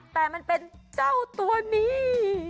แต่มันเป็นเจ้าตัวนี้